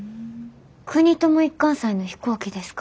国友一貫斎の飛行機ですか？